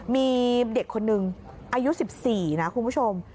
มีเด็กคนนึงอายุ๑๔นะคุณผู้ชม